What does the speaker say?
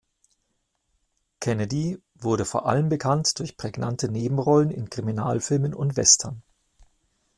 Kennedy wurde vor allem bekannt durch prägnante Nebenrollen in Kriminalfilmen und Western.